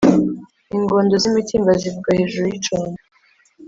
Ingondo z’imitimba zivuga hejuru y’icondo.